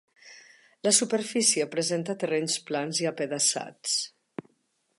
La superfície presenta terrenys plans i apedaçats.